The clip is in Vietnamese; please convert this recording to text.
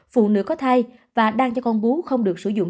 phụ nữ có thai và đang cho con bú không được sử dụng